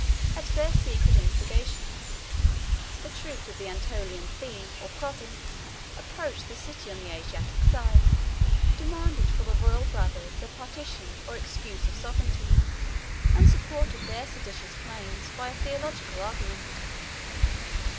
At their secret instigation, the troops of the Anatolian theme or province approached the city on the Asiatic side, demanded for the royal brothers the partition or exercise of sovereignty, and supported their seditious claim by a theological argument.